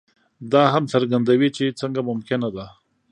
دا هم څرګندوي چې څنګه ممکنه ده.